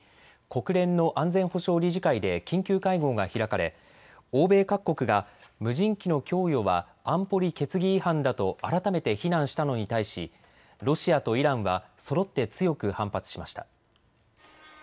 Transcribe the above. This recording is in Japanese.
国連の安全保障理事会で緊急会合が開かれ欧米各国が無人機の供与は安保理決議違反だと改めて非難したのに対しロシアとイランはそろって強く反発しました。